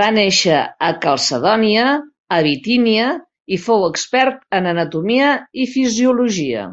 Va néixer a Calcedònia a Bitínia i fou expert en anatomia i fisiologia.